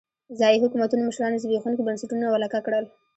ځايي حکومتونو مشرانو زبېښونکي بنسټونه ولکه کړل.